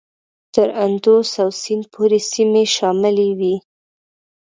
تر اندوس او سیند پورې سیمې شاملي وې.